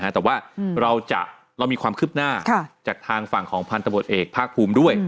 แต่ว่าเรามีความคืบหน้าจากทางฝั่งของพันธบทเอกภาคภูมิด้วย